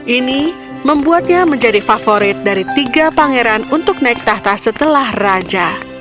ini membuatnya menjadi favorit dari tiga pangeran untuk naik tahta setelah raja